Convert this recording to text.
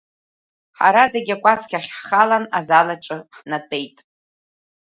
Ҳара зегьы акәасқьахь ҳхалан азал аҿы ҳнатәеит.